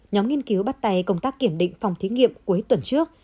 nhóm nghiên cứu bắt tay công tác kiểm định phòng thí nghiệm cuối tuần trước